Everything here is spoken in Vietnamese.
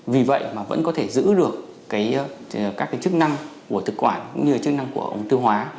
vì vậy mà vẫn có thể giữ được các chức năng của thực quản cũng như chức năng của ống tư hóa